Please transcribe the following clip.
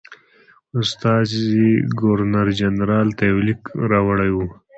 استازي ګورنرجنرال ته یو لیک راوړی وو.